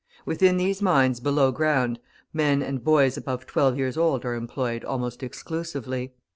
Within the mines below ground, men and boys above twelve years old are employed almost exclusively.